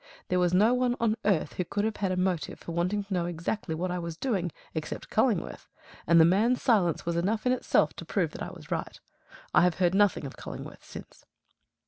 There was no one on earth who could have had a motive for wanting to know exactly what I was doing except Cullingworth; and the man's silence was enough in itself to prove that I was right. I have heard nothing of Cullingworth since.